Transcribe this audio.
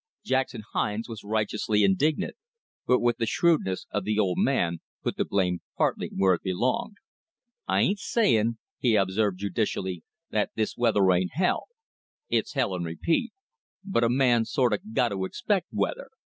Jackson Hines was righteously indignant, but with the shrewdness of the old man, put the blame partly where it belonged. "I ain't sayin'," he observed judicially, "that this weather ain't hell. It's hell and repeat. But a man sort've got to expec' weather.